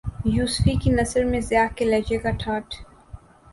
یوسفی کی نثر میں ضیاء کے لہجے کا ٹھاٹ